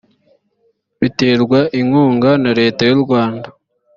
biterwa inkunga na leta y u rwanda